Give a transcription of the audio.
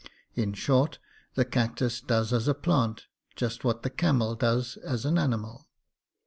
In short, the cactus does as a plant just what the camel does as an animal.